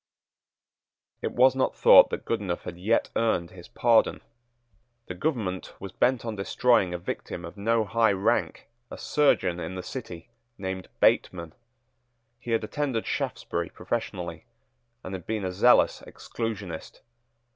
It was not thought that Goodenough had yet earned his pardon. The government was bent on destroying a victim of no high rank, a surgeon in the City, named Bateman. He had attended Shaftesbury professionally, and had been a zealous Exclusionist.